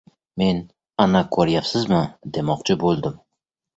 Men, ana, ko‘ryapsizmi, demoqchi bo‘ldim.